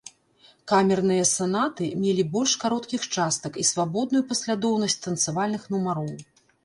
Камерныя санаты мелі больш кароткіх частак і свабодную паслядоўнасць танцавальных нумароў.